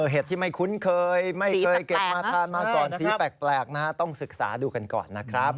เห็ดที่ไม่คุ้นเคยไม่เคยเก็บมาทานมาก่อนสีแปลกนะฮะต้องศึกษาดูกันก่อนนะครับ